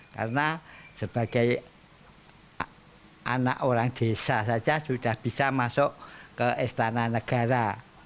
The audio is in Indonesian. karena sebagai anak orang desa saja sudah bisa masuk ke istana negara